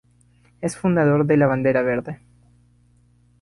Es fundador de la Bandera Verde.